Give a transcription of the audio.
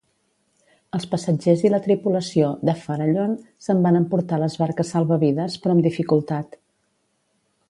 Els passatgers i la tripulació de "Farallon" se'n van emportar les barques salvavides, però amb dificultat.